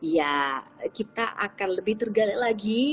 ya kita akan lebih tergali lagi